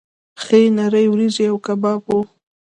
ښې نرۍ وریجې او کباب وو.